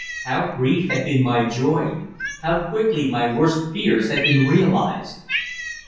How brief had been my joy; how quickly my worst fears had been realized.